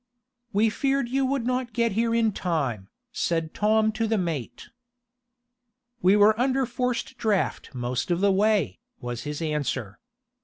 "We feared you would not get here in time," said Tom to the mate. "We were under forced draught most of the way," was his answer.